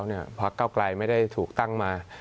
พักเก้าไกลไม่ได้ถูกตั้งมา